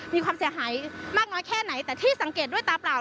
มีความเสียหายมากน้อยแค่ไหนแต่ที่สังเกตด้วยตาเปล่า